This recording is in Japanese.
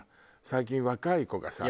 最近若い子がさ。